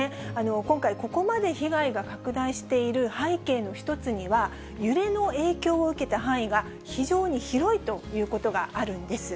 今回、ここまで被害が拡大している背景の一つには、揺れの影響を受けた範囲が非常に広いということがあるんです。